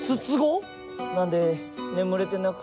なんで眠れてなくて。